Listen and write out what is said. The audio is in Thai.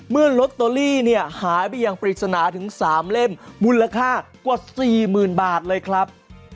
เมื่อล็อตเตอรี่เนี่ยหายไปยังปริศนาถึงสามเล่มมูลค่ากว่าสี่หมื่นบาทเลยครับ